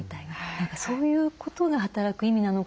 何かそういうことが働く意味なのかなと。